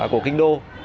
của kinh đô